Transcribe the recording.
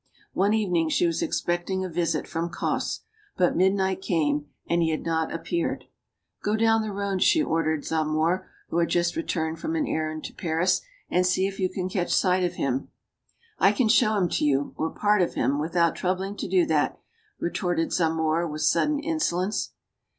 One evening she was expecting a visit from Cosse. But midnight came, and he had not appeared. "Go down the road," she ordered Zamore, who had 202 STORIES OF THE SUPER WOMEN just returned from an errand to Paris, "and see if you can catch sight of him." "I can show him to you or part of him without troubling to do that," retorted Zamore, with sudden insolence.